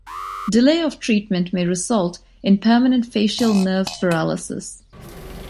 Delay of treatment may result in permanent facial nerve paralysis.